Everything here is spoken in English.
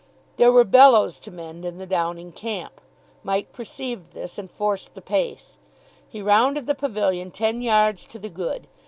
There were bellows to mend in the Downing camp. Mike perceived this, and forced the pace. He rounded the pavilion ten yards to the good.